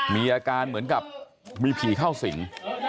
มีอาการเหมือนกับมีผีเข้าสิง